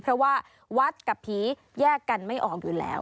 เพราะว่าวัดกับผีแยกกันไม่ออกอยู่แล้ว